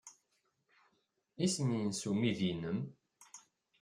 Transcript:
Isem-nnes umidi-nnem?